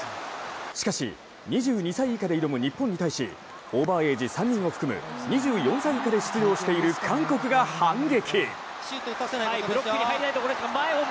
しかし２２歳以下で挑む日本に対しオーバーエイジ３人を含む２４歳以下で出場している韓国が反撃。